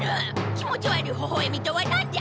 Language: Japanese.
気持ち悪いほほえみとは何じゃ！